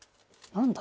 何だ？